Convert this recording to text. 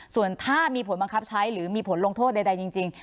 ส่วนถ้ามีผลบังคับใช้หรือมีผลลงโทษใดจริง